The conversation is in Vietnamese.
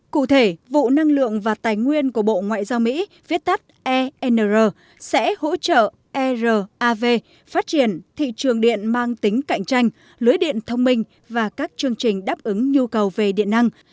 cụ thể vụ năng lượng và tài nguyên của bộ ngoại giao mỹ viết tắt enr sẽ hỗ trợ erav phát triển thị trường điện mang tính cạnh tranh lưới điện thông minh và các chương trình đáp ứng nhu cầu về điện năng